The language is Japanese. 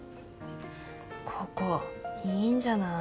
ここいいんじゃない？